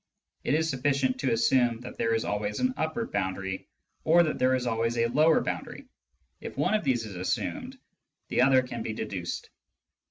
(It is sufficient to assume that there is always an upper boundary, or that there is always a lower boundary. If one of these is assumed, the other can be deduced.)